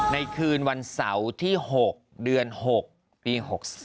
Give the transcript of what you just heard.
ในคืนวันเสาร์ที่๖เดือน๖ปี๖๒